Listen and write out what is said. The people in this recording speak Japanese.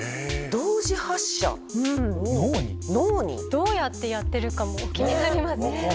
どうやってやってるかも気になりますね。